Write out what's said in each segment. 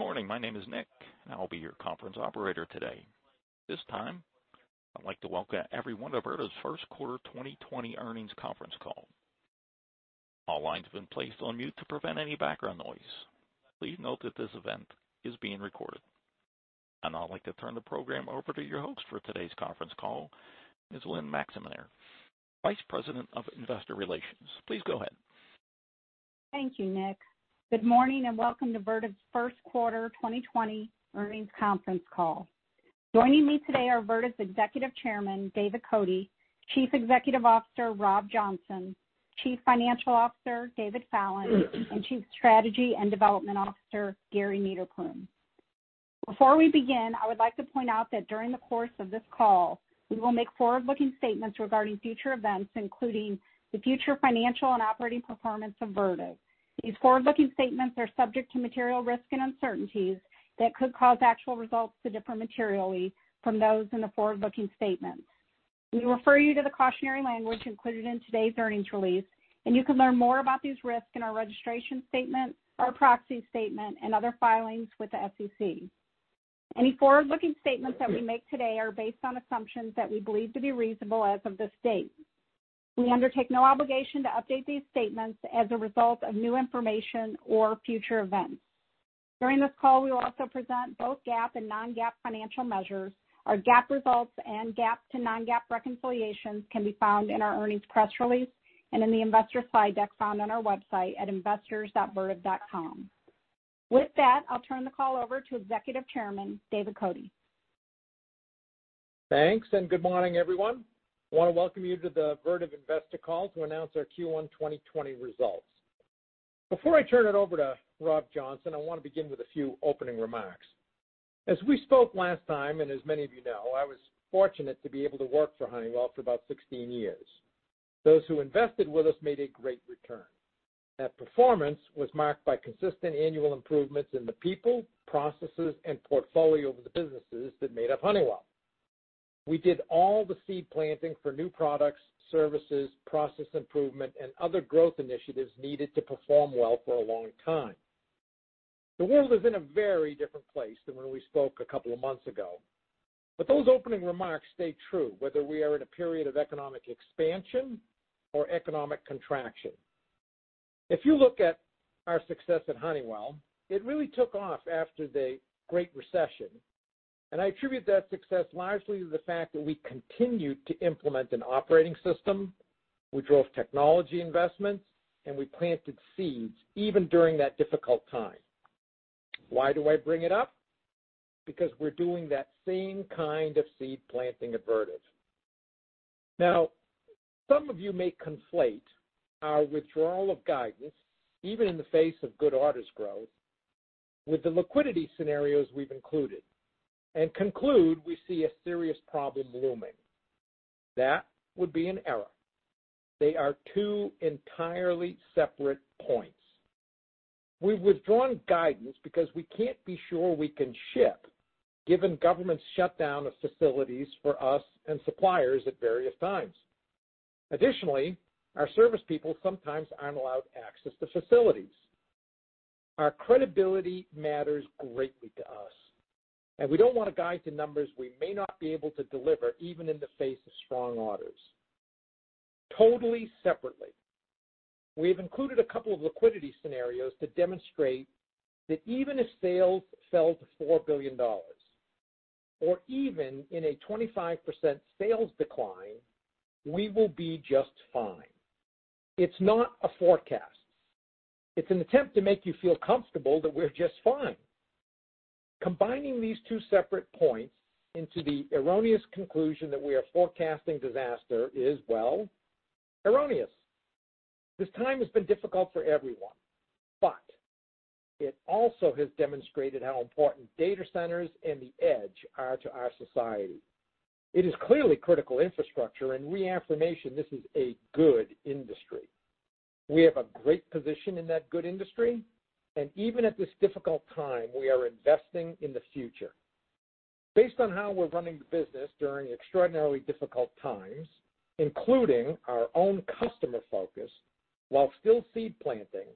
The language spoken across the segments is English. Good morning. My name is Nick. I will be your conference operator today. At this time, I'd like to welcome everyone to Vertiv's first quarter 2020 earnings conference call. All lines have been placed on mute to prevent any background noise. Please note that this event is being recorded. I'd like to turn the program over to your host for today's conference call, Ms. Lynne Maxeiner, Vice President of Investor Relations. Please go ahead. Thank you, Nick. Good morning, and welcome to Vertiv's first quarter 2020 earnings conference call. Joining me today are Vertiv's Executive Chairman, David Cote, Chief Executive Officer, Rob Johnson, Chief Financial Officer, David Fallon, and Chief Strategy and Development Officer, Gary Niederpruem. Before we begin, I would like to point out that during the course of this call, we will make forward-looking statements regarding future events, including the future financial and operating performance of Vertiv. These forward-looking statements are subject to material risks and uncertainties that could cause actual results to differ materially from those in the forward-looking statements. We refer you to the cautionary language included in today's earnings release, and you can learn more about these risks in our registration statement, our proxy statement, and other filings with the SEC. Any forward-looking statements that we make today are based on assumptions that we believe to be reasonable as of this date. We undertake no obligation to update these statements as a result of new information or future events. During this call, we will also present both GAAP and non-GAAP financial measures. Our GAAP results and GAAP to non-GAAP reconciliations can be found in our earnings press release and in the investor slide deck found on our website at investors.vertiv.com. With that, I'll turn the call over to Executive Chairman, David Cote. Thanks, and good morning, everyone. I want to welcome you to the Vertiv Investor Call to announce our Q1 2020 results. Before I turn it over to Rob Johnson, I want to begin with a few opening remarks. As we spoke last time, and as many of you know, I was fortunate to be able to work for Honeywell for about 16 years. Those who invested with us made a great return. That performance was marked by consistent annual improvements in the people, processes, and portfolio of the businesses that made up Honeywell. We did all the seed planting for new products, services, process improvement, and other growth initiatives needed to perform well for a long time. The world is in a very different place than when we spoke a couple of months ago. Those opening remarks stay true, whether we are in a period of economic expansion or economic contraction. If you look at our success at Honeywell, it really took off after the Great Recession, and I attribute that success largely to the fact that we continued to implement an operating system, we drove technology investments, and we planted seeds even during that difficult time. Why do I bring it up? Because we're doing that same kind of seed planting at Vertiv. Some of you may conflate our withdrawal of guidance, even in the face of good orders growth, with the liquidity scenarios we've included and conclude we see a serious problem looming. That would be an error. They are two entirely separate points. We've withdrawn guidance because we can't be sure we can ship, given governments' shutdown of facilities for us and suppliers at various times. Additionally, our service people sometimes aren't allowed access to facilities. Our credibility matters greatly to us, and we don't want to guide to numbers we may not be able to deliver, even in the face of strong orders. Totally separately, we have included a couple of liquidity scenarios to demonstrate that even if sales fell to $4 billion, or even in a 25% sales decline, we will be just fine. It's not a forecast. It's an attempt to make you feel comfortable that we're just fine. Combining these two separate points into the erroneous conclusion that we are forecasting disaster is, well, erroneous. This time has been difficult for everyone, but it also has demonstrated how important data centers and the edge are to our society. It is clearly critical infrastructure, and reaffirmation this is a good industry. We have a great position in that good industry, and even at this difficult time, we are investing in the future. Based on how we're running the business during extraordinarily difficult times, including our own customer focus while still seed planting,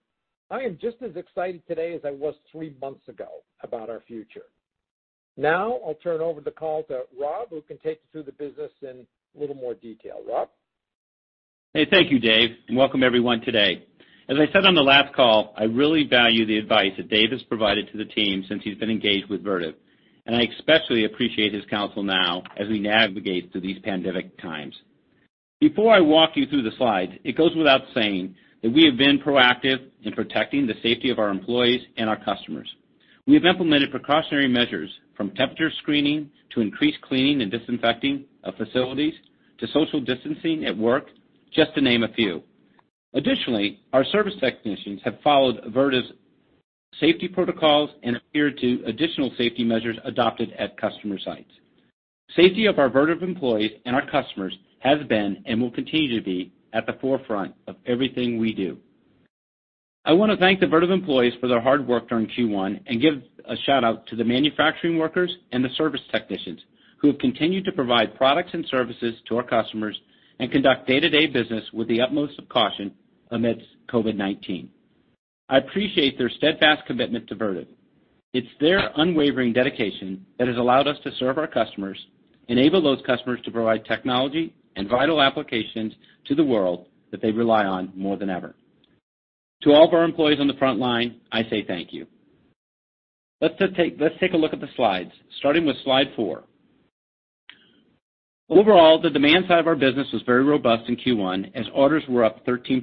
I am just as excited today as I was three months ago about our future. Now, I'll turn over the call to Rob, who can take you through the business in a little more detail. Rob? Hey, thank you, Dave, and welcome everyone today. As I said on the last call, I really value the advice that Dave has provided to the team since he's been engaged with Vertiv. I especially appreciate his counsel now as we navigate through these pandemic times. Before I walk you through the slides, it goes without saying that we have been proactive in protecting the safety of our employees and our customers. We have implemented precautionary measures from temperature screening to increased cleaning and disinfecting of facilities to social distancing at work, just to name a few. Our service technicians have followed Vertiv's safety protocols and adhere to additional safety measures adopted at customer sites. Safety of our Vertiv employees and our customers has been and will continue to be at the forefront of everything we do. I want to thank the Vertiv employees for their hard work during Q1 and give a shout-out to the manufacturing workers and the service technicians who have continued to provide products and services to our customers and conduct day-to-day business with the utmost caution amidst COVID-19. I appreciate their steadfast commitment to Vertiv. It's their unwavering dedication that has allowed us to serve our customers, enable those customers to provide technology and vital applications to the world that they rely on more than ever. To all of our employees on the front line, I say thank you. Let's take a look at the slides, starting with slide four. Overall, the demand side of our business was very robust in Q1, as orders were up 13%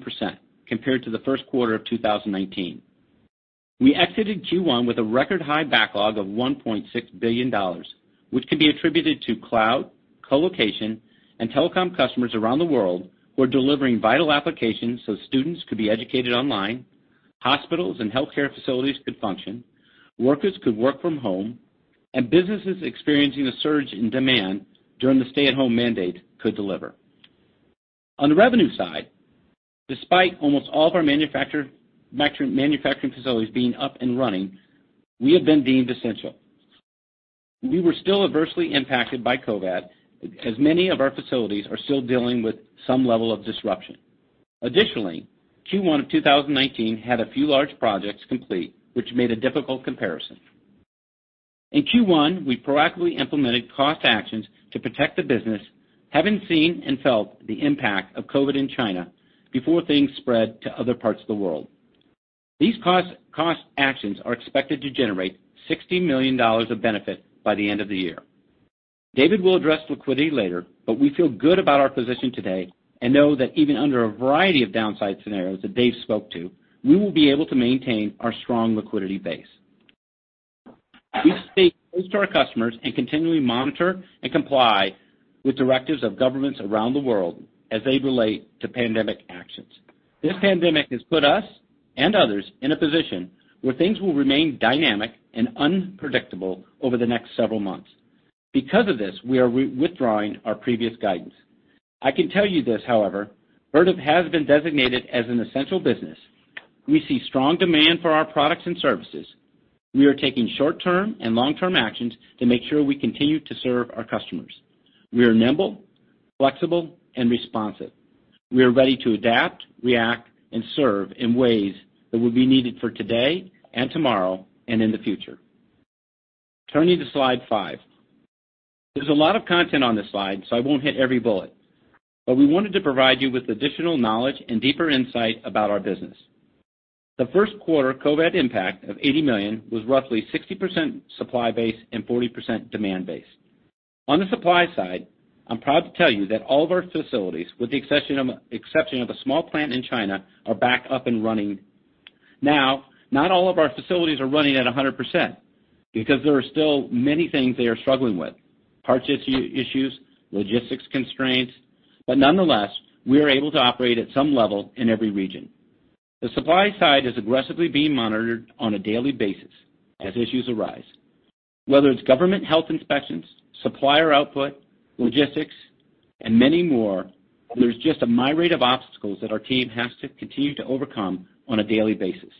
compared to the first quarter of 2019. We exited Q1 with a record high backlog of $1.6 billion, which can be attributed to cloud, colocation, and telecom customers around the world who are delivering vital applications so students could be educated online, hospitals and healthcare facilities could function, workers could work from home, and businesses experiencing a surge in demand during the stay-at-home mandate could deliver. On the revenue side, despite almost all of our manufacturing facilities being up and running, we have been deemed essential. We were still adversely impacted by COVID-19, as many of our facilities are still dealing with some level of disruption. Additionally, Q1 of 2019 had a few large projects complete, which made a difficult comparison. In Q1, we proactively implemented cost actions to protect the business, having seen and felt the impact of COVID-19 in China before things spread to other parts of the world. These cost actions are expected to generate $60 million of benefit by the end of the year. David will address liquidity later, but we feel good about our position today and know that even under a variety of downside scenarios that Dave spoke to, we will be able to maintain our strong liquidity base. We stay close to our customers and continually monitor and comply with directives of governments around the world as they relate to pandemic actions. This pandemic has put us and others in a position where things will remain dynamic and unpredictable over the next several months. Because of this, we are withdrawing our previous guidance. I can tell you this, however, Vertiv has been designated as an essential business. We see strong demand for our products and services. We are taking short-term and long-term actions to make sure we continue to serve our customers. We are nimble, flexible, and responsive. We are ready to adapt, react, and serve in ways that will be needed for today and tomorrow and in the future. Turning to slide five. There's a lot of content on this slide, so I won't hit every bullet, but we wanted to provide you with additional knowledge and deeper insight about our business. The first quarter COVID impact of $80 million was roughly 60% supply-based and 40% demand-based. On the supply side, I'm proud to tell you that all of our facilities, with the exception of a small plant in China, are back up and running. Now, not all of our facilities are running at 100%, because there are still many things they are struggling with. Parts issues, logistics constraints, but nonetheless, we are able to operate at some level in every region. The supply side is aggressively being monitored on a daily basis as issues arise. Whether it's government health inspections, supplier output, logistics, and many more, there's just a myriad of obstacles that our team has to continue to overcome on a daily basis.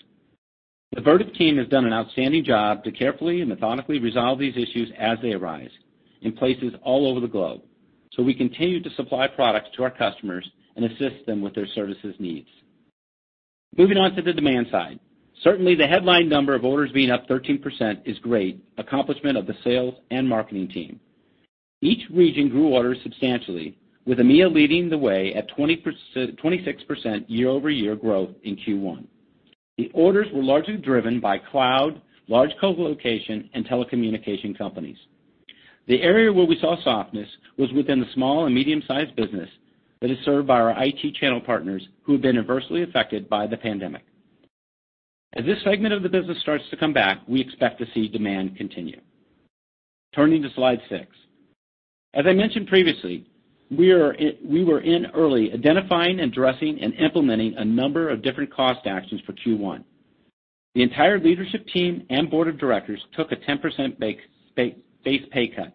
The Vertiv team has done an outstanding job to carefully and methodically resolve these issues as they arise in places all over the globe. We continue to supply products to our customers and assist them with their services needs. Moving on to the demand side. Certainly, the headline number of orders being up 13% is great accomplishment of the sales and marketing team. Each region grew orders substantially, with EMEA leading the way at 26% year-over-year growth in Q1. The orders were largely driven by cloud, large colocation, and telecommunication companies. The area where we saw softness was within the small and medium-sized business that is served by our IT channel partners, who have been adversely affected by the COVID-19. As this segment of the business starts to come back, we expect to see demand continue. Turning to slide six. As I mentioned previously, we were in early identifying, addressing, and implementing a number of different cost actions for Q1. The entire leadership team and board of directors took a 10% base pay cut.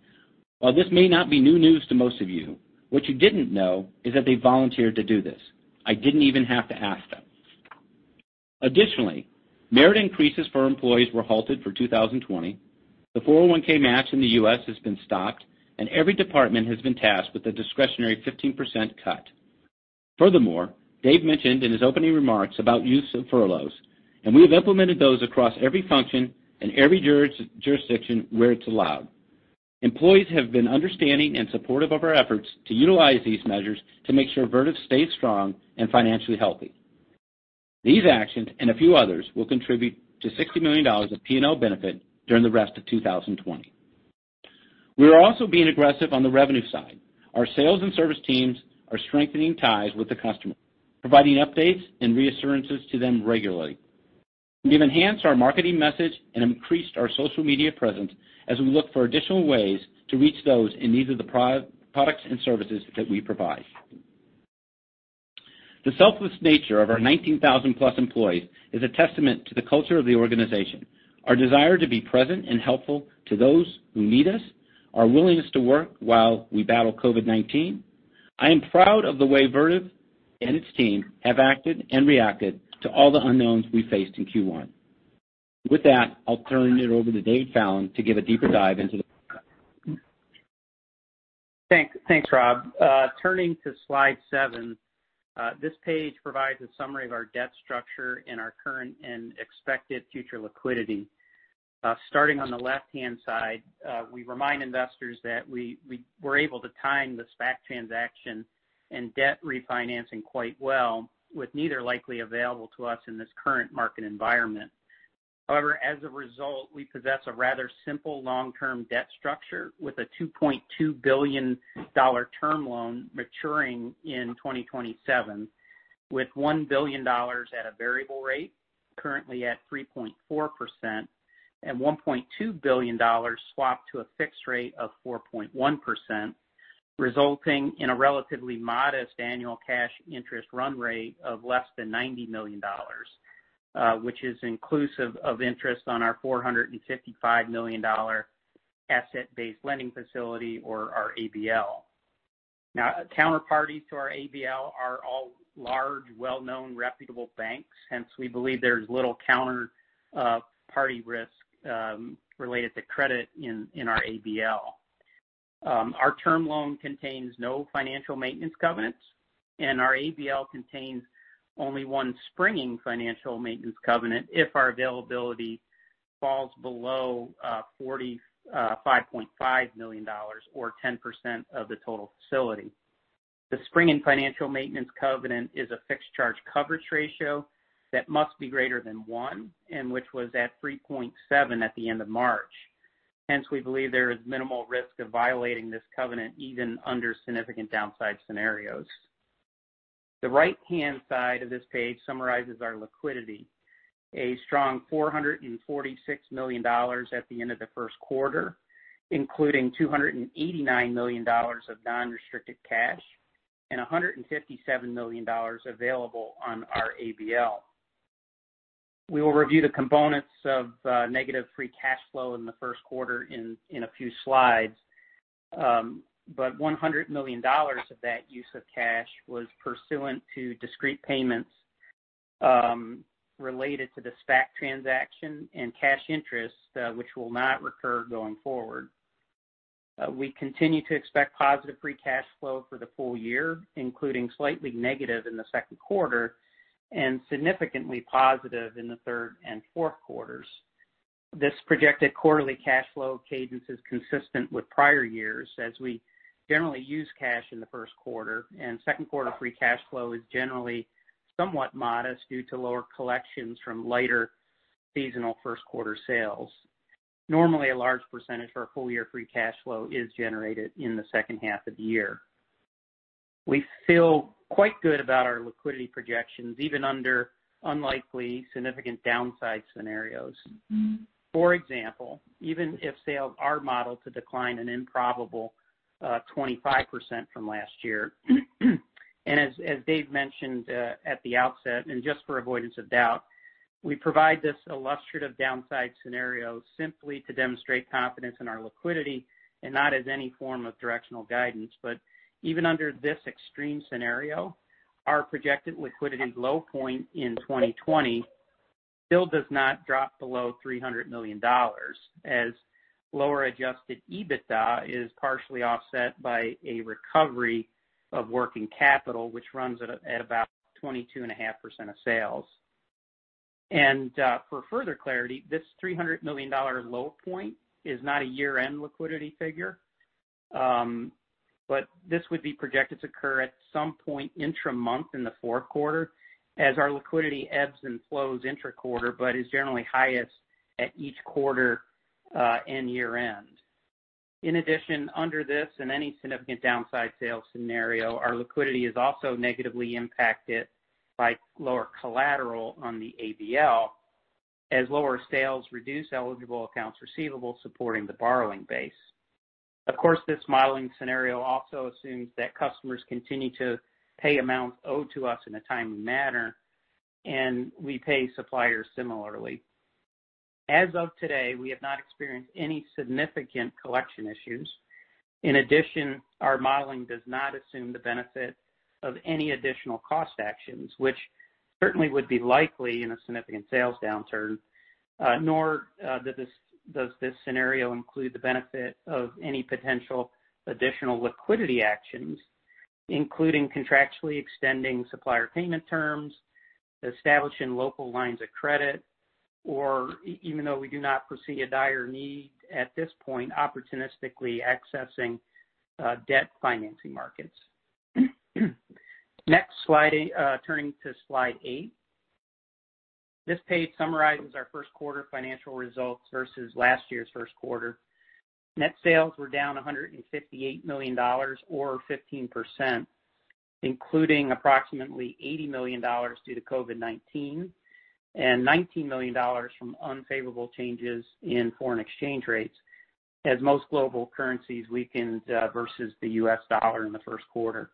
While this may not be new news to most of you, what you didn't know is that they volunteered to do this. I didn't even have to ask them. Additionally, merit increases for employees were halted for 2020. The 401(k) match in the U.S. has been stopped, and every department has been tasked with a discretionary 15% cut. Dave mentioned in his opening remarks about use of furloughs, and we have implemented those across every function and every jurisdiction where it's allowed. Employees have been understanding and supportive of our efforts to utilize these measures to make sure Vertiv stays strong and financially healthy. These actions and a few others will contribute to $60 million of P&L benefit during the rest of 2020. We are also being aggressive on the revenue side. Our sales and service teams are strengthening ties with the customer, providing updates and reassurances to them regularly. We've enhanced our marketing message and increased our social media presence as we look for additional ways to reach those in need of the products and services that we provide. The selfless nature of our 19,000+ employees is a testament to the culture of the organization, our desire to be present and helpful to those who need us, our willingness to work while we battle COVID-19. I am proud of the way Vertiv and its team have acted and reacted to all the unknowns we faced in Q1. With that, I'll turn it over to David Fallon to give a deeper dive into. Thanks, Rob. Turning to slide seven, this page provides a summary of our debt structure and our current and expected future liquidity. Starting on the left-hand side, we remind investors that we were able to time the SPAC transaction and debt refinancing quite well, with neither likely available to us in this current market environment. However, as a result, we possess a rather simple long-term debt structure with a $2.2 billion term loan maturing in 2027, with $1 billion at a variable rate currently at 3.4%, and $1.2 billion swapped to a fixed rate of 4.1%, resulting in a relatively modest annual cash interest run rate of less than $90 million, which is inclusive of interest on our $455 million asset-based lending facility or our ABL. Counterparties to our ABL are all large, well-known reputable banks. We believe there is little counterparty risk related to credit in our ABL. Our term loan contains no financial maintenance covenants, and our ABL contains only one springing financial maintenance covenant if our availability falls below $45.5 million or 10% of the total facility. The springing financial maintenance covenant is a fixed charge coverage ratio that must be greater than one, and which was at 3.7 at the end of March. We believe there is minimal risk of violating this covenant, even under significant downside scenarios. The right-hand side of this page summarizes our liquidity. A strong $446 million at the end of the first quarter, including $289 million of non-restricted cash and $157 million available on our ABL. We will review the components of negative free cash flow in the first quarter in a few slides. $100 million of that use of cash was pursuant to discrete payments related to the SPAC transaction and cash interest, which will not recur going forward. We continue to expect positive free cash flow for the full year, including slightly negative in the second quarter and significantly positive in the third and fourth quarters. This projected quarterly cash flow cadence is consistent with prior years, as we generally use cash in the first quarter, and second quarter free cash flow is generally somewhat modest due to lower collections from lighter seasonal first quarter sales. Normally, a large percentage of our full-year free cash flow is generated in the second half of the year. We feel quite good about our liquidity projections, even under unlikely significant downside scenarios. For example, even if sales are modeled to decline an improbable 25% from last year. As Dave mentioned at the outset, and just for avoidance of doubt, we provide this illustrative downside scenario simply to demonstrate confidence in our liquidity and not as any form of directional guidance. Even under this extreme scenario, our projected liquidity low point in 2020 still does not drop below $300 million, as lower adjusted EBITDA is partially offset by a recovery of working capital, which runs at about 22.5% of sales. For further clarity, this $300 million low point is not a year-end liquidity figure, but this would be projected to occur at some point intra-month in the fourth quarter as our liquidity ebbs and flows intra-quarter, but is generally highest at each quarter and year-end. In addition, under this and any significant downside sales scenario, our liquidity is also negatively impacted by lower collateral on the ABL as lower sales reduce eligible accounts receivable supporting the borrowing base. Of course, this modeling scenario also assumes that customers continue to pay amounts owed to us in a timely manner, and we pay suppliers similarly. As of today, we have not experienced any significant collection issues. In addition, our modeling does not assume the benefit of any additional cost actions, which certainly would be likely in a significant sales downturn, nor does this scenario include the benefit of any potential additional liquidity actions, including contractually extending supplier payment terms, establishing local lines of credit, or even though we do not foresee a dire need at this point, opportunistically accessing debt financing markets. Next slide. Turning to slide eight. This page summarizes our first quarter financial results versus last year's first quarter. Net sales were down $158 million or 15%, including approximately $80 million due to COVID-19 and $19 million from unfavorable changes in foreign exchange rates as most global currencies weakened versus the US dollar in the first quarter.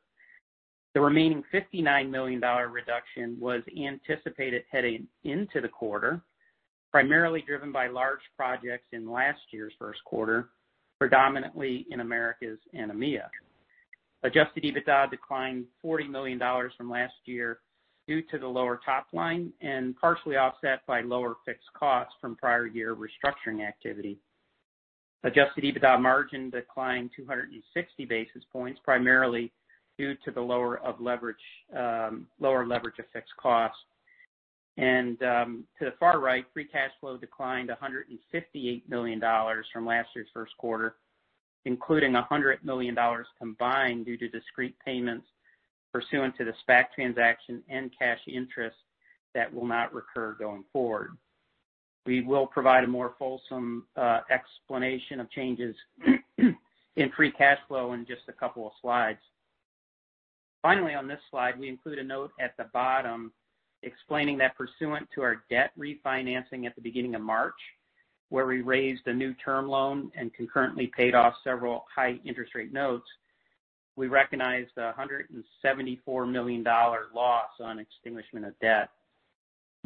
The remaining $59 million reduction was anticipated heading into the quarter, primarily driven by large projects in last year's first quarter, predominantly in Americas and EMEA. Adjusted EBITDA declined $40 million from last year due to the lower top line and partially offset by lower fixed costs from prior year restructuring activity. Adjusted EBITDA margin declined 260 basis points, primarily due to the lower leverage of fixed costs. To the far right, free cash flow declined $158 million from last year's first quarter, including $100 million combined due to discrete payments pursuant to the SPAC transaction and cash interest that will not recur going forward. We will provide a more fulsome explanation of changes in free cash flow in just a couple of slides. Finally, on this slide, we include a note at the bottom explaining that pursuant to our debt refinancing at the beginning of March, where we raised a new term loan and concurrently paid off several high-interest rate notes, we recognized a $174 million loss on extinguishment of debt.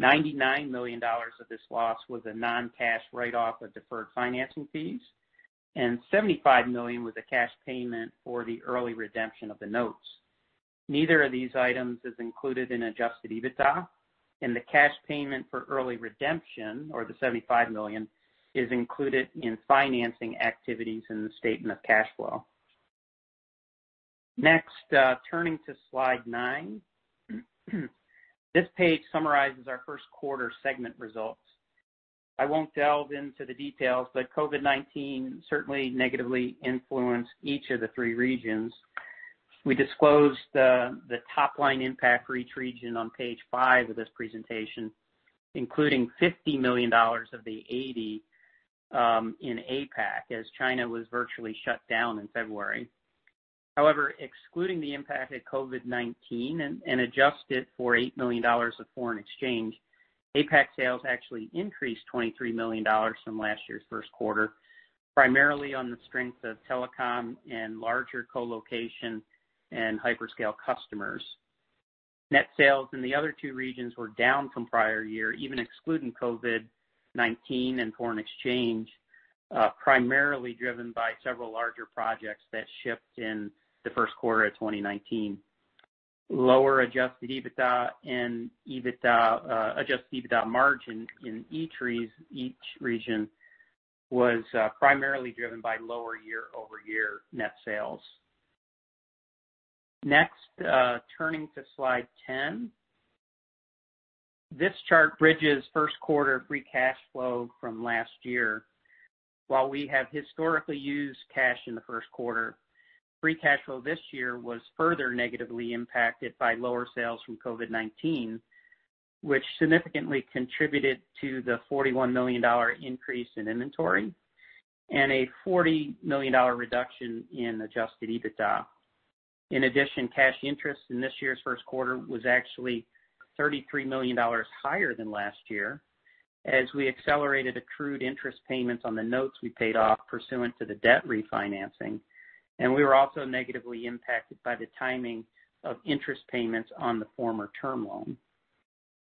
$99 million of this loss was a non-cash write-off of deferred financing fees, and $75 million was a cash payment for the early redemption of the notes. Neither of these items is included in adjusted EBITDA, and the cash payment for early redemption, or the $75 million, is included in financing activities in the statement of cash flow. Turning to slide nine. This page summarizes our first quarter segment results. I won't delve into the details, but COVID-19 certainly negatively influenced each of the three regions. We disclosed the top-line impact for each region on page five of this presentation, including $50 million of the $80 in APAC, as China was virtually shut down in February. Excluding the impact of COVID-19 and adjusted for $8 million of foreign exchange, APAC sales actually increased $23 million from last year's first quarter, primarily on the strength of telecom and larger co-location and hyperscale customers. Net sales in the other two regions were down from prior year, even excluding COVID-19 and foreign exchange, primarily driven by several larger projects that shipped in the first quarter of 2019. Lower adjusted EBITDA and adjusted EBITDA margin in each region was primarily driven by lower year-over-year net sales. Next, turning to slide 10. This chart bridges first quarter free cash flow from last year. While we have historically used cash in the first quarter, free cash flow this year was further negatively impacted by lower sales from COVID-19, which significantly contributed to the $41 million increase in inventory and a $40 million reduction in adjusted EBITDA. Cash interest in this year's first quarter was actually $33 million higher than last year as we accelerated accrued interest payments on the notes we paid off pursuant to the debt refinancing, and we were also negatively impacted by the timing of interest payments on the former term loan.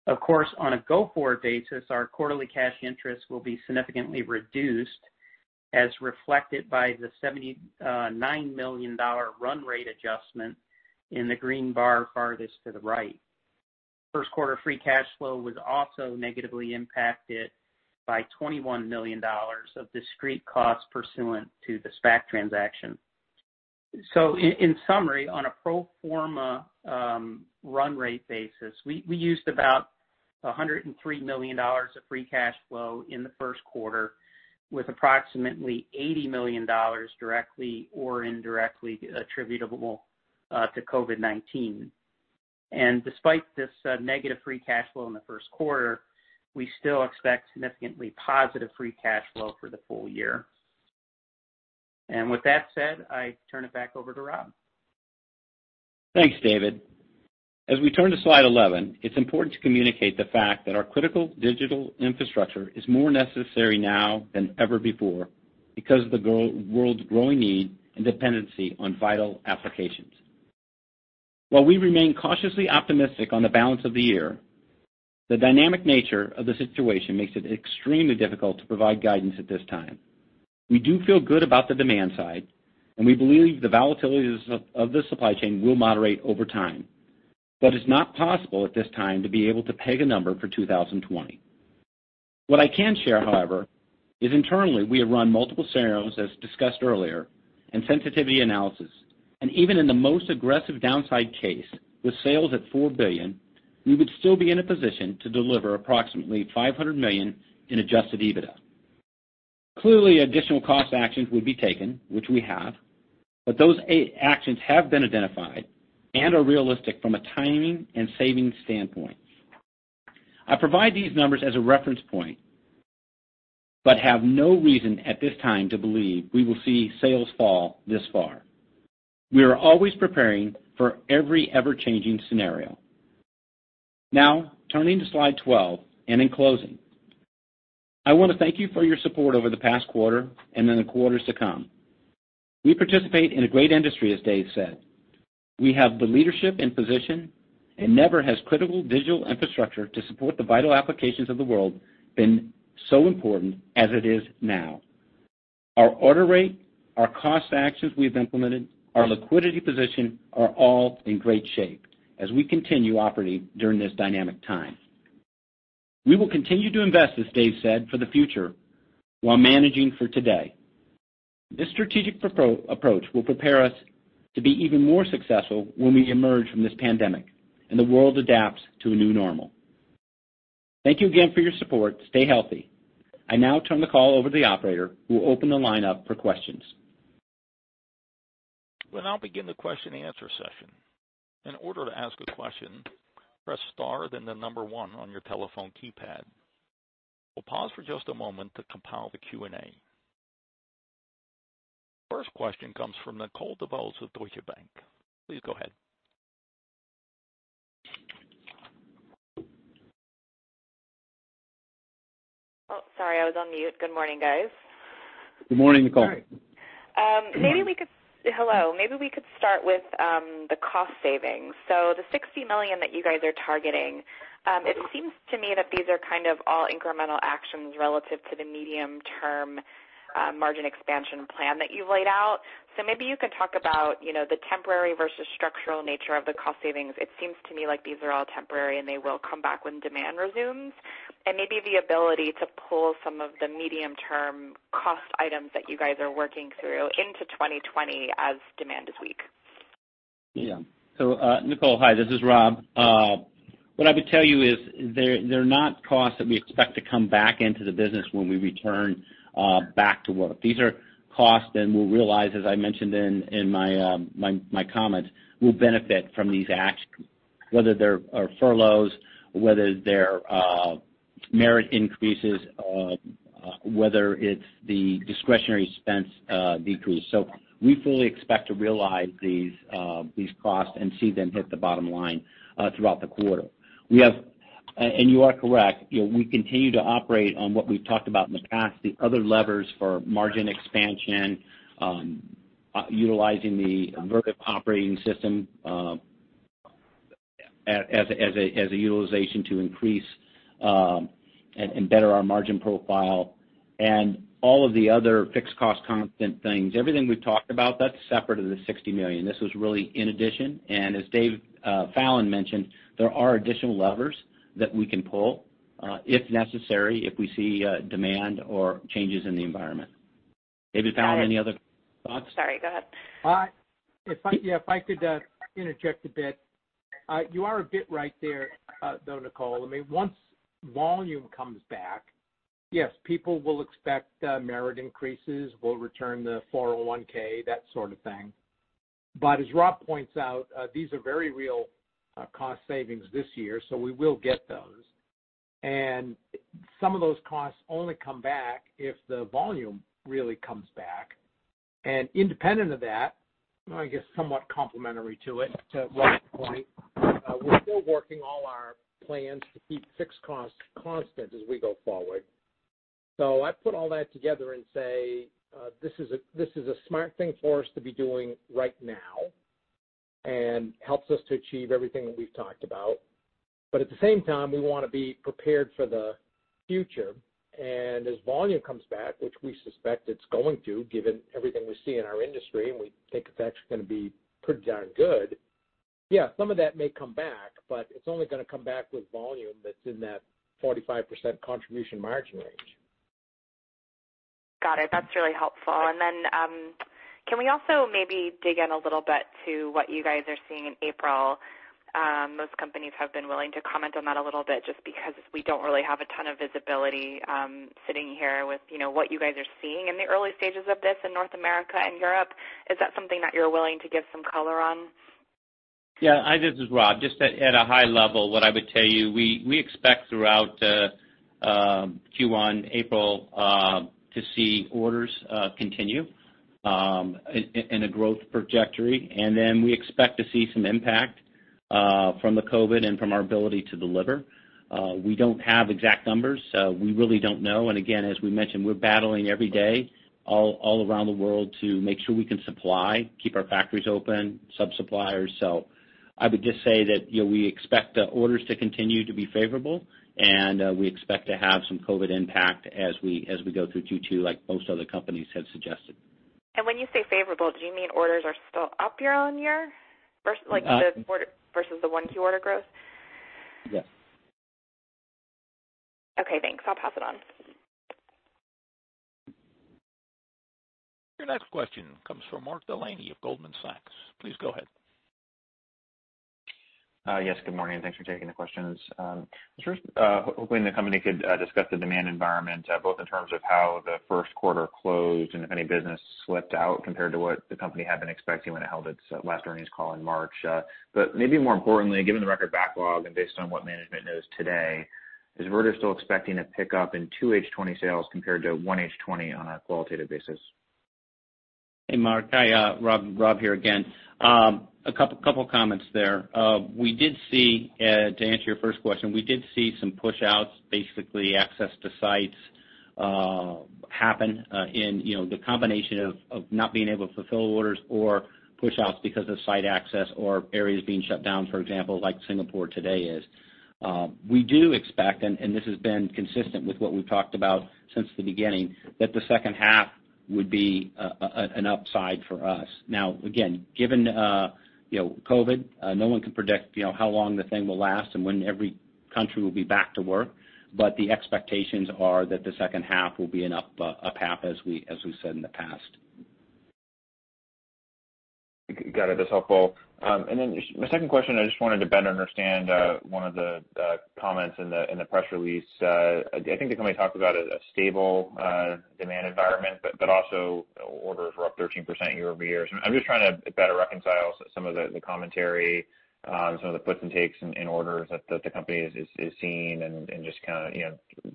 Of course, on a go-forward basis, our quarterly cash interest will be significantly reduced, as reflected by the $79 million run rate adjustment in the green bar farthest to the right. First quarter free cash flow was also negatively impacted by $21 million of discrete costs pursuant to the SPAC transaction. In summary, on a pro forma run rate basis, we used about $103 million of free cash flow in the first quarter, with approximately $80 million directly or indirectly attributable to COVID-19. Despite this negative free cash flow in the first quarter, we still expect significantly positive free cash flow for the full year. With that said, I turn it back over to Rob. Thanks, David. We turn to slide 11, it's important to communicate the fact that our critical digital infrastructure is more necessary now than ever before because of the world's growing need and dependency on vital applications. While we remain cautiously optimistic on the balance of the year, the dynamic nature of the situation makes it extremely difficult to provide guidance at this time. We do feel good about the demand side, and we believe the volatilities of the supply chain will moderate over time. It's not possible at this time to be able to peg a number for 2020. What I can share, however, is internally we have run multiple scenarios, as discussed earlier, and sensitivity analysis. Even in the most aggressive downside case, with sales at $4 billion, we would still be in a position to deliver approximately $500 million in adjusted EBITDA. Clearly, additional cost actions would be taken, which we have, but those actions have been identified and are realistic from a timing and savings standpoint. I provide these numbers as a reference point, but have no reason at this time to believe we will see sales fall this far. We are always preparing for every ever-changing scenario. Turning to slide 12, in closing, I want to thank you for your support over the past quarter and in the quarters to come. We participate in a great industry, as Dave said. We have the leadership and position, never has critical digital infrastructure to support the vital applications of the world been so important as it is now. Our order rate, our cost actions we've implemented, our liquidity position are all in great shape as we continue operating during this dynamic time. We will continue to invest, as Dave said, for the future while managing for today. This strategic approach will prepare us to be even more successful when we emerge from this pandemic and the world adapts to a new normal. Thank you again for your support. Stay healthy. I now turn the call over to the operator who will open the line up for questions. We'll now begin the question and answer session. In order to ask a question, press star, then the number one on your telephone keypad. We'll pause for just a moment to compile the Q&A. First question comes from Nicole DeBlase with Deutsche Bank. Please go ahead. Oh, sorry, I was on mute. Good morning, guys. Good morning, Nicole. Hello. Maybe we could start with the cost savings. The $60 million that you guys are targeting, it seems to me that these are kind of all incremental actions relative to the medium-term margin expansion plan that you've laid out. Maybe you could talk about the temporary versus structural nature of the cost savings. It seems to me like these are all temporary, and they will come back when demand resumes. Maybe the ability to pull some of the medium-term cost items that you guys are working through into 2020 as demand is weak. Yeah. Nicole, hi, this is Rob. What I would tell you is they're not costs that we expect to come back into the business when we return back to work. These are costs that we'll realize, as I mentioned in my comments, will benefit from these actions, whether they're furloughs, whether they're merit increases, whether it's the discretionary expense decrease. We fully expect to realize these costs and see them hit the bottom line throughout the quarter. You are correct, we continue to operate on what we've talked about in the past, the other levers for margin expansion, utilizing the Vertiv Operating System as a utilization to increase and better our margin profile and all of the other fixed cost constant things. Everything we've talked about, that's separate of the $60 million. This was really in addition, and as Dave Fallon mentioned, there are additional levers that we can pull, if necessary, if we see demand or changes in the environment. David Fallon, any other thoughts? Sorry, go ahead. If I could interject a bit. You are a bit right there, though, Nicole. I mean, once volume comes back, yes, people will expect merit increases. We'll return the 401, that sort of thing. As Rob points out, these are very real cost savings this year, so we will get those. Some of those costs only come back if the volume really comes back. Independent of that, I guess somewhat complementary to it, to Rob's point, we're still working all our plans to keep fixed costs constant as we go forward. I put all that together and say this is a smart thing for us to be doing right now and helps us to achieve everything that we've talked about. At the same time, we want to be prepared for the future. As volume comes back, which we suspect it's going to, given everything we see in our industry, and we think it's actually going to be pretty darn good. Yeah, some of that may come back, but it's only going to come back with volume that's in that 45% contribution margin range. Got it. That's really helpful. Can we also maybe dig in a little bit to what you guys are seeing in April? Most companies have been willing to comment on that a little bit just because we don't really have a ton of visibility sitting here with what you guys are seeing in the early stages of this in North America and Europe. Is that something that you're willing to give some color on? Yeah. Hi, this is Rob. Just at a high level, what I would tell you, we expect throughout Q1, April, to see orders continue in a growth trajectory, and then we expect to see some impact from the COVID and from our ability to deliver. We don't have exact numbers. We really don't know. Again, as we mentioned, we're battling every day all around the world to make sure we can supply, keep our factories open, sub-suppliers. I would just say that we expect the orders to continue to be favorable, and we expect to have some COVID impact as we go through Q2, like most other companies have suggested. When you say favorable, do you mean orders are still up year-on-year versus the 1Q order growth? Yes. Okay, thanks. I'll pass it on. Your next question comes from Mark Delaney of Goldman Sachs. Please go ahead. Yes, good morning, and thanks for taking the questions. Just hoping the company could discuss the demand environment both in terms of how the first quarter closed and if any business slipped out compared to what the company had been expecting when it held its last earnings call in March. Maybe more importantly, given the record backlog and based on what management knows today, is Vertiv still expecting a pickup in 2H 2020 sales compared to 1H 2020 on a qualitative basis? Hey, Mark. Rob here again. A couple of comments there. To answer your first question, we did see some push-outs, basically access to sites happen in the combination of not being able to fulfill orders or push-outs because of site access or areas being shut down, for example, like Singapore today is. We do expect, and this has been consistent with what we've talked about since the beginning, that the second half would be an upside for us. Now, again, given COVID, no one can predict how long the thing will last and when every country will be back to work. The expectations are that the second half will be an up half, as we said in the past. Got it. That's helpful. My second question, I just wanted to better understand one of the comments in the press release. I think the company talked about a stable demand environment, but also orders were up 13% year-over-year. I'm just trying to better reconcile some of the commentary, some of the puts and takes in orders that the company is seeing, and just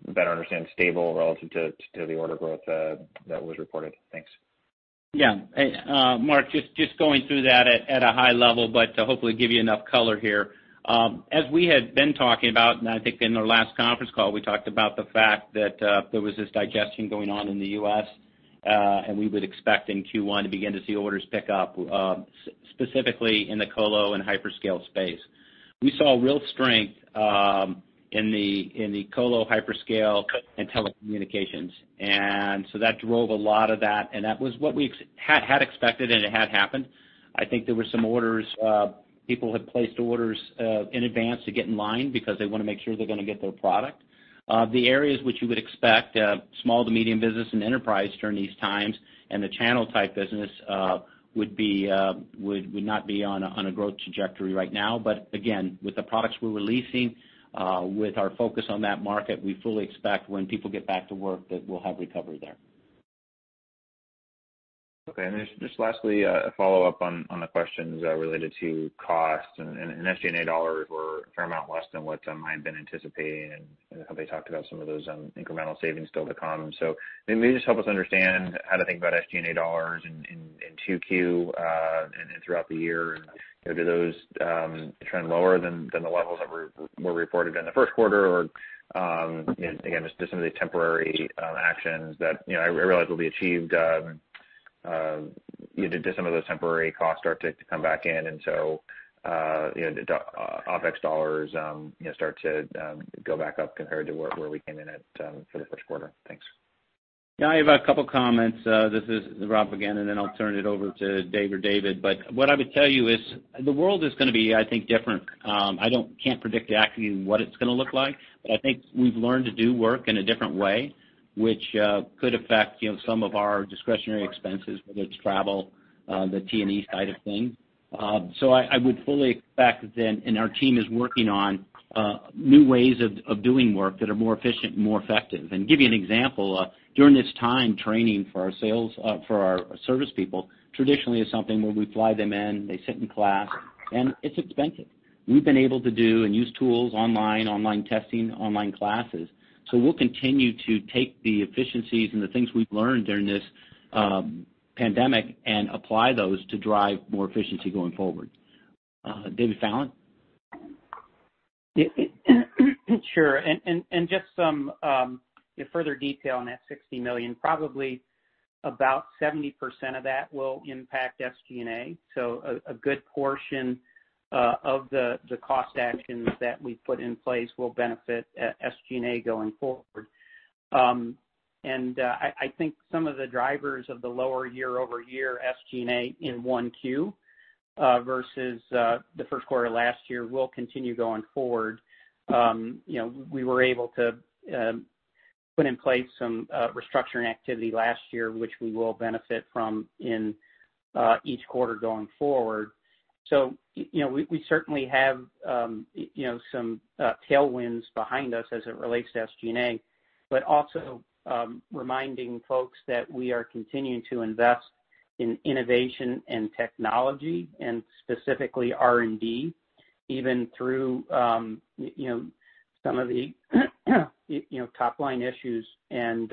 better understand stable relative to the order growth that was reported. Thanks. Mark, just going through that at a high level, but to hopefully give you enough color here. As we had been talking about, and I think in our last conference call, we talked about the fact that there was this digestion going on in the U.S., and we would expect in Q1 to begin to see orders pick up, specifically in the colo and hyperscale space. We saw real strength in the colo hyperscale and telecommunications. That drove a lot of that, and that was what we had expected, and it had happened. I think there were some orders. People had placed orders in advance to get in line because they want to make sure they're going to get their product. The areas which you would expect, small to medium business and enterprise during these times, and the channel type business would not be on a growth trajectory right now. Again, with the products we're releasing, with our focus on that market, we fully expect when people get back to work, that we'll have recovery there. Okay. Just lastly, a follow-up on the questions related to costs and SG&A dollars were a fair amount less than what I had been anticipating, and how they talked about some of those incremental savings still to come. Maybe just help us understand how to think about SG&A dollars in 2Q and then throughout the year. Do those trend lower than the levels that were reported in the first quarter? Again, just some of the temporary actions that I realize will be achieved. Do some of those temporary costs start to come back in, and so, the OpEx dollars start to go back up compared to where we came in at for the first quarter? Thanks. I have a couple of comments. This is Rob again, and then I'll turn it over to Dave or David. What I would tell you is the world is going to be, I think, different. I can't predict exactly what it's going to look like, but I think we've learned to do work in a different way, which could affect some of our discretionary expenses, whether it's travel, the T&E side of things. I would fully expect that then, and our team is working on new ways of doing work that are more efficient and more effective. Give you an example. During this time, training for our service people traditionally is something where we fly them in, they sit in class, and it's expensive. We've been able to do and use tools online testing, online classes. We'll continue to take the efficiencies and the things we've learned during this pandemic and apply those to drive more efficiency going forward. David Fallon? Sure. Just some further detail on that $60 million. Probably about 70% of that will impact SG&A. A good portion of the cost actions that we put in place will benefit SG&A going forward. I think some of the drivers of the lower year-over-year SG&A in 1Q versus the first quarter last year will continue going forward. We were able to put in place some restructuring activity last year, which we will benefit from in each quarter going forward. We certainly have some tailwinds behind us as it relates to SG&A, but also reminding folks that we are continuing to invest in innovation and technology and specifically R&D, even through some of the top-line issues, and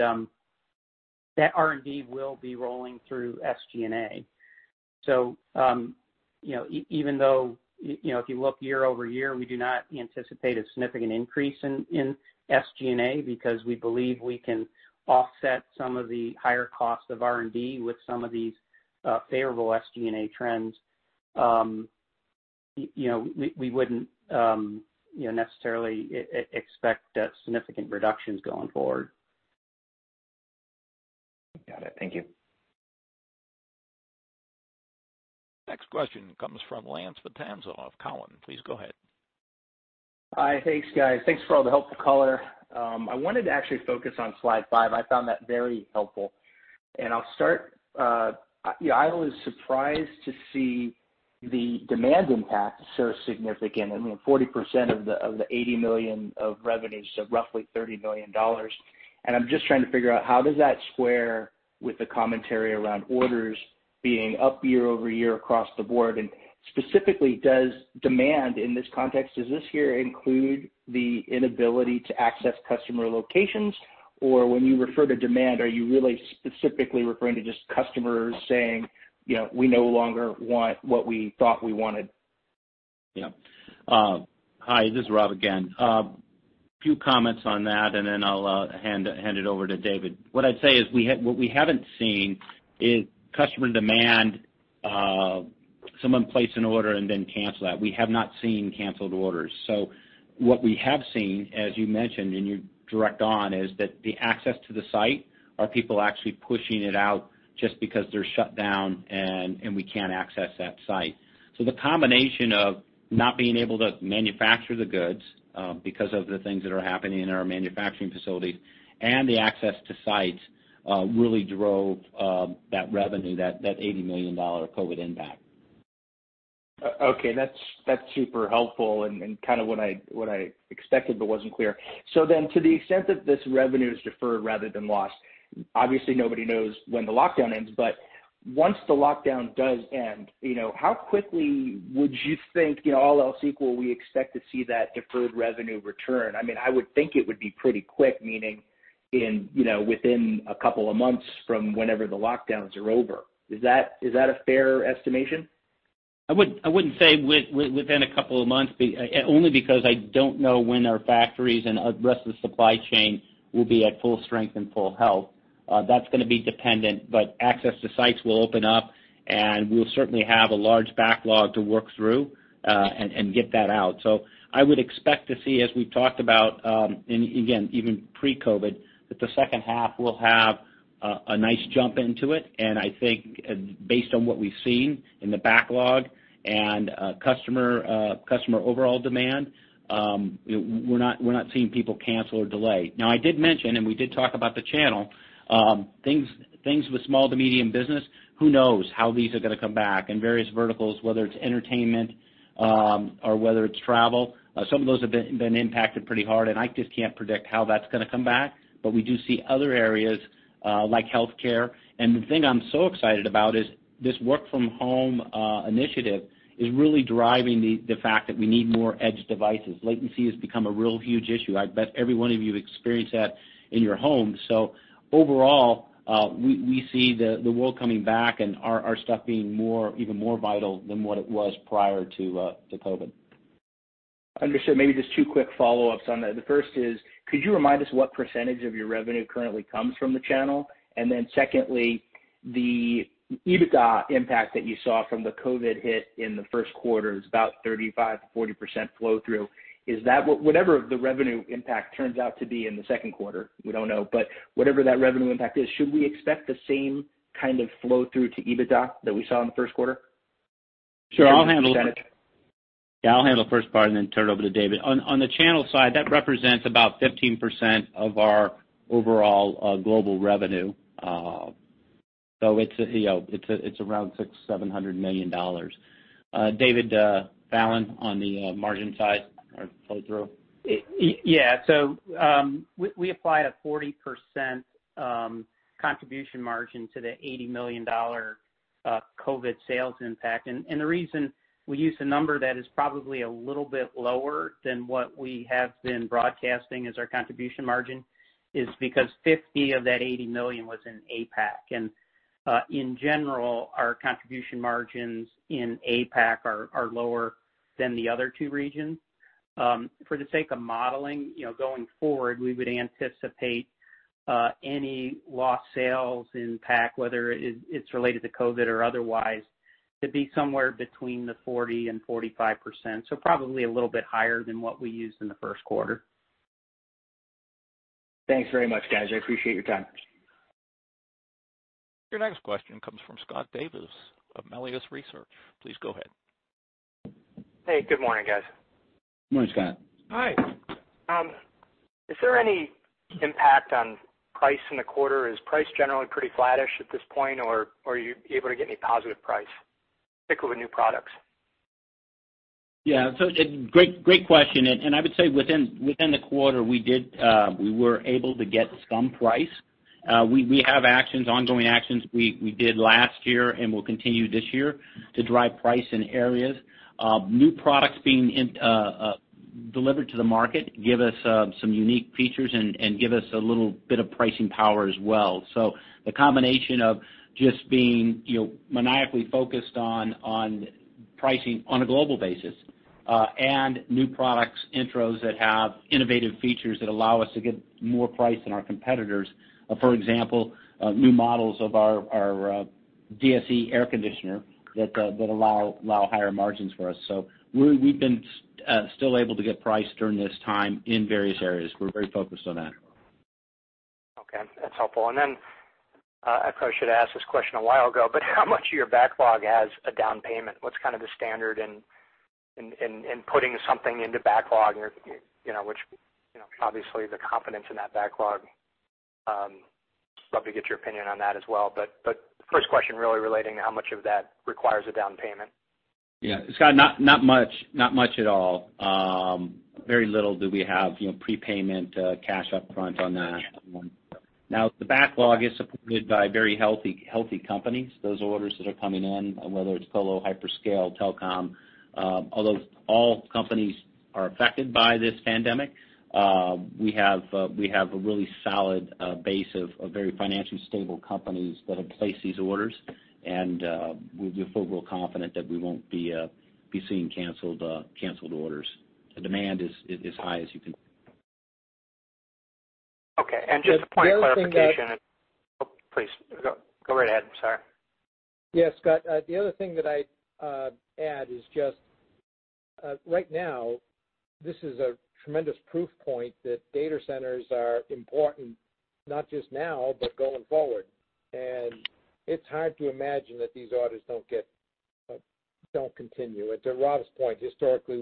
that R&D will be rolling through SG&A. Even though if you look year-over-year, we do not anticipate a significant increase in SG&A because we believe we can offset some of the higher costs of R&D with some of these favorable SG&A trends. We wouldn't necessarily expect significant reductions going forward. Got it. Thank you. Next question comes from Lance Vitanza of Cowen. Please go ahead. Hi. Thanks, guys. Thanks for all the helpful color. I wanted to actually focus on slide five. I found that very helpful. I'll start. I was surprised to see the demand impact so significant. I mean, 40% of the $80 million of revenue, so roughly $30 million. I'm just trying to figure out how does that square with the commentary around orders being up year-over-year across the board? Specifically, does demand in this context, does this here include the inability to access customer locations? When you refer to demand, are you really specifically referring to just customers saying, "We no longer want what we thought we wanted"? Hi, this is Rob again. A few comments on that and then I'll hand it over to David. What I'd say is what we haven't seen is customer demand, someone place an order and then cancel that. We have not seen canceled orders. What we have seen, as you mentioned, and you're direct on, is that the access to the site are people actually pushing it out just because they're shut down and we can't access that site. The combination of not being able to manufacture the goods because of the things that are happening in our manufacturing facilities and the access to sites, really drove that revenue, that $80 million COVID-19 impact. Okay. That's super helpful and kind of what I expected, but wasn't clear. To the extent that this revenue is deferred rather than lost, obviously nobody knows when the lockdown ends, but once the lockdown does end, how quickly would you think, all else equal, we expect to see that deferred revenue return? I would think it would be pretty quick, meaning within a couple of months from whenever the lockdowns are over. Is that a fair estimation? I wouldn't say within a couple of months, only because I don't know when our factories and the rest of the supply chain will be at full strength and full health. That's going to be dependent, but access to sites will open up, and we'll certainly have a large backlog to work through, and get that out. I would expect to see, as we talked about, and again, even pre-COVID, that the second half will have a nice jump into it. I think based on what we've seen in the backlog and customer overall demand, we're not seeing people cancel or delay. Now, I did mention, and we did talk about the channel. Things with small to medium business, who knows how these are going to come back and various verticals, whether it's entertainment, or whether it's travel. Some of those have been impacted pretty hard, and I just can't predict how that's going to come back. We do see other areas, like healthcare. The thing I'm so excited about is this work-from-home initiative is really driving the fact that we need more edge devices. Latency has become a real huge issue. I bet every one of you experienced that in your home. Overall, we see the world coming back and our stuff being even more vital than what it was prior to COVID-19. Understood. Maybe just two quick follow-ups on that. The first is, could you remind us what percentage of your revenue currently comes from the channel? Then secondly, the EBITDA impact that you saw from the COVID-19 hit in the first quarter is about 35%-40% flow-through. Whatever the revenue impact turns out to be in the second quarter, we don't know, but whatever that revenue impact is, should we expect the same kind of flow-through to EBITDA that we saw in the first quarter? Sure. I'll handle the first part and then turn it over to David. On the channel side, that represents about 15% of our overall global revenue. It's around $600 million-$700 million. David Fallon, on the margin side or flow-through. Yeah. We apply a 40% contribution margin to the $80 million COVID sales impact. The reason we use a number that is probably a little bit lower than what we have been broadcasting as our contribution margin is because $50 million of that $80 million was in APAC. In general, our contribution margins in APAC are lower than the other two regions. For the sake of modeling, going forward, we would anticipate any lost sales in APAC, whether it's related to COVID or otherwise, to be somewhere between 40%-45%. Probably a little bit higher than what we used in the first quarter. Thanks very much, guys. I appreciate your time. Your next question comes from Scott Davis of Melius Research. Please go ahead. Hey, good morning, guys. Good morning, Scott. Hi. Is there any impact on price in the quarter? Is price generally pretty flattish at this point, or are you able to get any positive price, particularly with new products? Yeah. Great question. I would say within the quarter, we were able to get some price. We have ongoing actions we did last year and will continue this year to drive price in areas. New products being delivered to the market give us some unique features and give us a little bit of pricing power as well. The combination of just being maniacally focused on pricing on a global basis, and new products intros that have innovative features that allow us to get more price than our competitors. For example, new models of our DSE air conditioner that allow higher margins for us. We've been still able to get price during this time in various areas. We're very focused on that. Okay. That's helpful. I probably should have asked this question a while ago, how much of your backlog has a down payment? What's kind of the standard in putting something into backlog which obviously the confidence in that backlog, love to get your opinion on that as well. First question really relating to how much of that requires a down payment. Yeah. Scott, not much at all. Very little do we have prepayment cash up front on that. The backlog is supported by very healthy companies. Those orders that are coming in, whether it's colo, hyperscale, telecom, although all companies are affected by this pandemic. We have a really solid base of very financially stable companies that have placed these orders, and we feel real confident that we won't be seeing canceled orders. The demand is as high as you can. Okay. Just point clarification. The other thing that. Oh, please. Go right ahead, I'm sorry. Yeah, Scott. The other thing that I'd add is just, right now, this is a tremendous proof point that data centers are important, not just now, but going forward. It's hard to imagine that these orders don't continue. To Rob's point, historically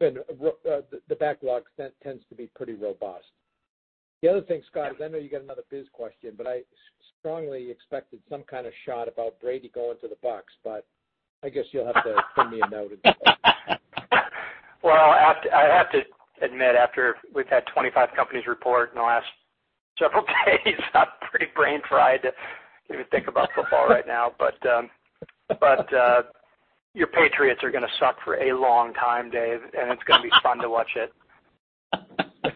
the backlog tends to be pretty robust. The other thing, Scott, because I know you got another biz question, but I strongly expected some kind of shot about Brady going to the Bucs, but I guess you'll have to send me a note. Well, I have to admit, after we've had 25 companies report in the last several days, I'm pretty brain-fried to even think about football right now. Your Patriots are going to suck for a long time, Dave, and it's going to be fun to watch it.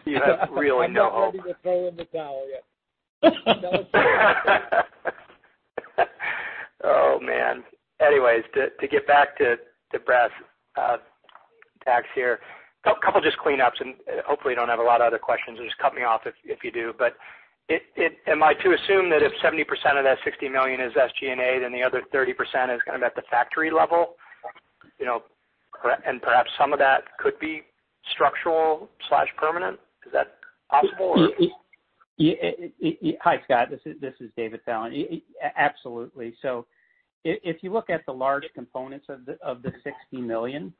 You have really no hope. I'm not ready to throw in the towel yet. No, sir. Oh, man. To get back to brass tacks here. A couple just cleanups, hopefully you don't have a lot of other questions, just cut me off if you do. Am I to assume that if 70% of that $60 million is SG&A, then the other 30% is kind of at the factory level? Perhaps some of that could be structural/permanent? Is that possible, or? Hi, Scott. This is David Fallon. Absolutely. If you look at the large components of the $60 million,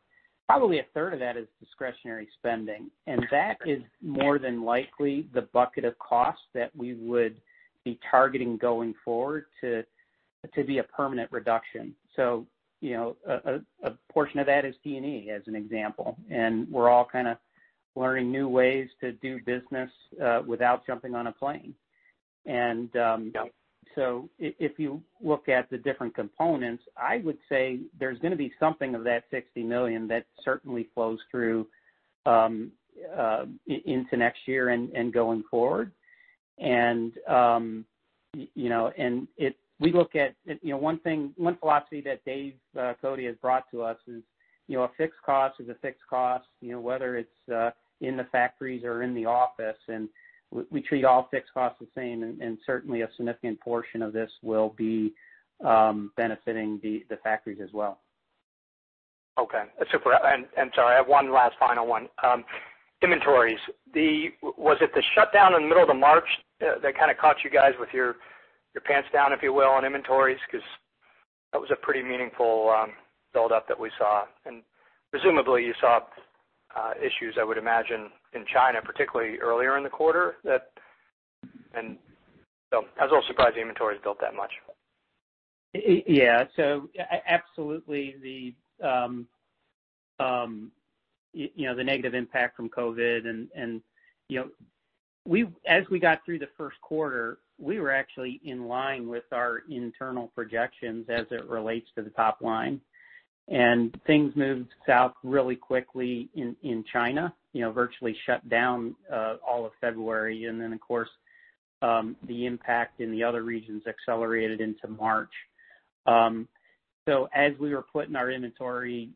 probably a third of that is discretionary spending, and that is more than likely the bucket of costs that we would be targeting going forward to be a permanent reduction. A portion of that is T&E, as an example, and we're all kind of learning new ways to do business without jumping on a plane. Yep. If you look at the different components, I would say there's going to be something of that $60 million that certainly flows through into next year and going forward. We look at one thing, one philosophy that David Cote has brought to us is, a fixed cost is a fixed cost, whether it's in the factories or in the office. We treat all fixed costs the same, and certainly a significant portion of this will be benefiting the factories as well. Okay. Sorry, I have one last final one. Inventories. Was it the shutdown in the middle of the March that kind of caught you guys with your pants down, if you will, on inventories? That was a pretty meaningful buildup that we saw. Presumably you saw issues, I would imagine, in China, particularly earlier in the quarter. So I was a little surprised the inventories built that much. Yeah. Absolutely, the negative impact from COVID and as we got through the first quarter, we were actually in line with our internal projections as it relates to the top line. Things moved south really quickly in China, virtually shut down all of February. Then, of course, the impact in the other regions accelerated into March. As we were putting our inventory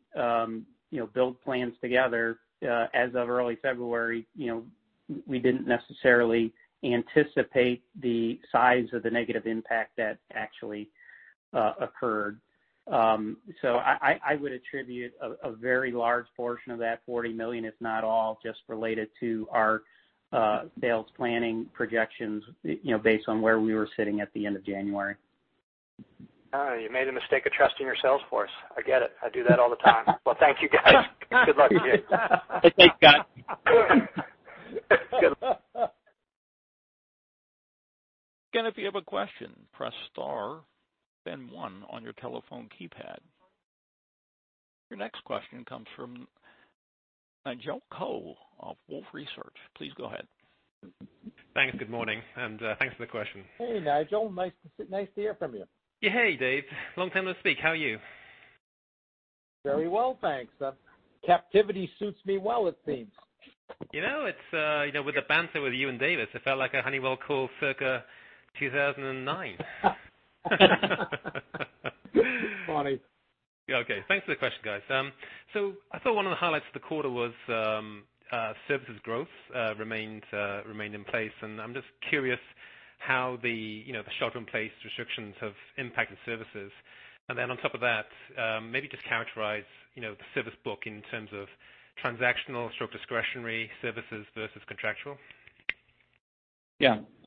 build plans together as of early February, we didn't necessarily anticipate the size of the negative impact that actually occurred. I would attribute a very large portion of that $40 million, if not all, just related to our sales planning projections based on where we were sitting at the end of January. Oh, you made the mistake of trusting your sales force. I get it. I do that all the time. Well, thank you, guys. Good luck to you. Thanks, Scott. Again, if you have a question, press star then one on your telephone keypad. Your next question comes from Nigel Coe of Wolfe Research. Please go ahead. Thanks. Good morning, and thanks for the question. Hey, Nigel. Nice to hear from you. Hey, Dave. Long time no speak. How are you? Very well, thanks. Captivity suits me well, it seems. You know, with the banter with you and Davis, it felt like a Honeywell call circa 2009. Funny. Okay. Thanks for the question, guys. I thought one of the highlights of the quarter was services growth remained in place, and I'm just curious how the shelter-in-place restrictions have impacted services. On top of that, maybe just characterize the service book in terms of transactional/discretionary services versus contractual.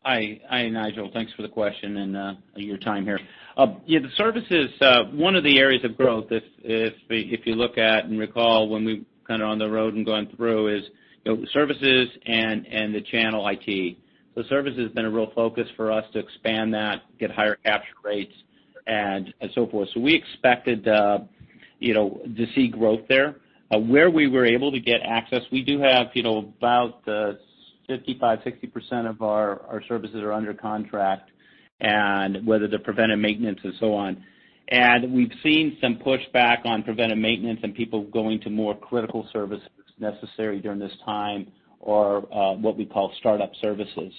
Hi, Nigel. Thanks for the question and your time here. The services, one of the areas of growth, if you look at and recall when we were kind of on the road and going through is, services and the channel IT. Services has been a real focus for us to expand that, get higher capture rates, and so forth. We expected to see growth there. Where we were able to get access, we do have about 55% or 60% of our services are under contract, and whether they're preventive maintenance or so on. We've seen some pushback on preventive maintenance and people going to more critical services necessary during this time or what we call startup services.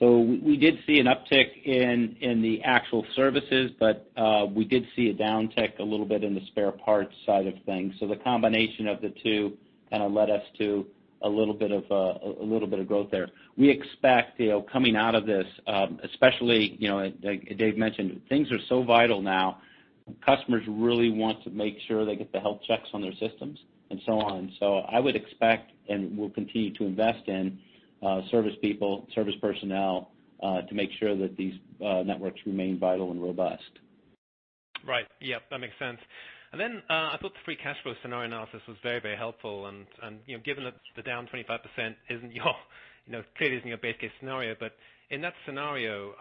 We did see an uptick in the actual services, but we did see a downtick a little bit in the spare parts side of things. The combination of the two kind of led us to a little bit of growth there. We expect, coming out of this, especially, like Dave mentioned, things are so vital now. Customers really want to make sure they get the health checks on their systems and so on. I would expect, and we'll continue to invest in service people, service personnel, to make sure that these networks remain vital and robust. Right. Yep. That makes sense. I thought the free cash flow scenario analysis was very helpful and, given that the down 25% clearly isn't your best-case scenario, in that scenario,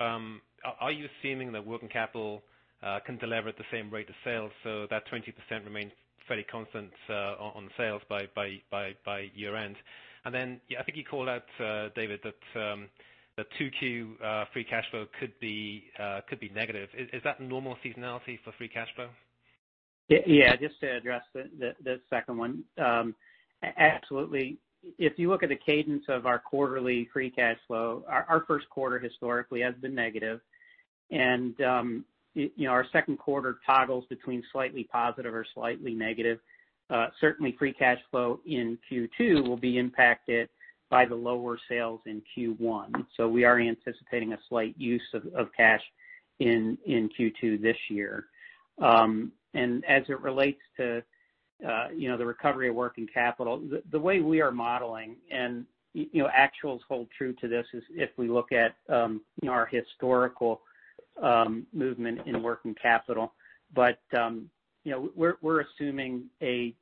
are you assuming that working capital can deliver at the same rate of sales so that 20% remains fairly constant on sales by year-end? I think you called out, David, that 2Q free cash flow could be negative. Is that normal seasonality for free cash flow? Yeah. Just to address the second one. Absolutely. If you look at the cadence of our quarterly free cash flow, our first quarter historically has been negative. Our second quarter toggles between slightly positive or slightly negative. Certainly, free cash flow in Q2 will be impacted by the lower sales in Q1. We are anticipating a slight use of cash in Q2 this year. As it relates to the recovery of working capital, the way we are modeling, and actuals hold true to this is if we look at our historical movement in working capital. We're assuming a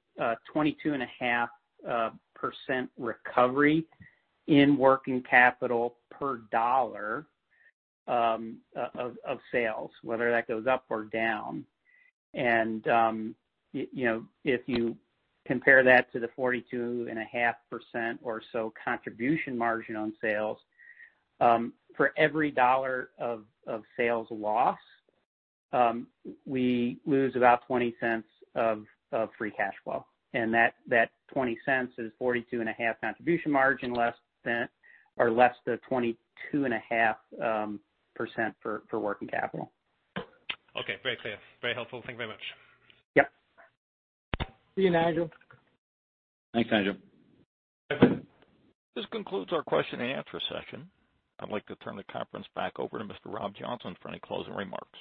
22.5% recovery in working capital per dollar of sales, whether that goes up or down. If you compare that to the 42.5% or so contribution margin on sales, for every dollar of sales lost, we lose about $0.20 of free cash flow. That $0.20 is 42.5% contribution margin less than or less than 22.5% for working capital. Okay. Very clear. Very helpful. Thank you very much. Yep. See you, Nigel. Thanks, Nigel. This concludes our question and answer session. I'd like to turn the conference back over to Mr. Rob Johnson for any closing remarks.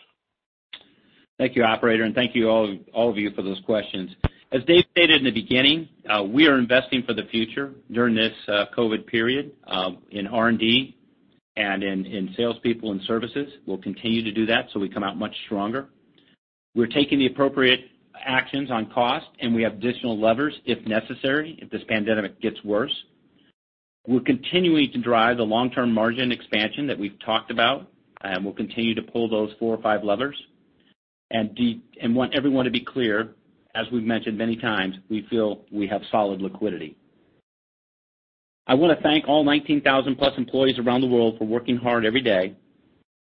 Thank you, operator. Thank you all of you for those questions. As David stated in the beginning, we are investing for the future during this COVID period, in R&D and in salespeople and services. We'll continue to do that so we come out much stronger. We're taking the appropriate actions on cost, and we have additional levers if necessary, if this pandemic gets worse. We're continuing to drive the long-term margin expansion that we've talked about, and we'll continue to pull those four or five levers. Want everyone to be clear, as we've mentioned many times, we feel we have solid liquidity. I want to thank all 19,000+ employees around the world for working hard every day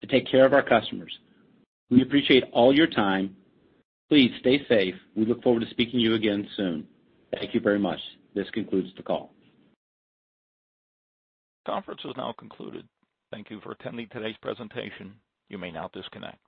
to take care of our customers. We appreciate all your time. Please stay safe. We look forward to speaking to you again soon. Thank you very much. This concludes the call. Conference is now concluded. Thank you for attending today's presentation. You may now disconnect.